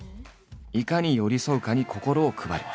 いかに寄り添うかに心を配る。